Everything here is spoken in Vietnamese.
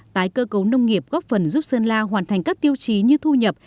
tái cơ cấu nông nghiệp góp phần giúp sơn la hoàn thành các tiêu chí như thu nhập